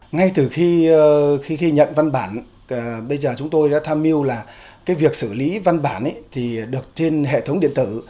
ngay từ khi nhận văn bản bây giờ chúng tôi đã tham mưu là việc xử lý văn bản thì được trên hệ thống điện tử